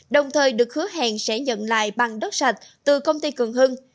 đồng thời được hứa hẹn sẽ nhận lại bằng đất sạch từ công ty cường hưng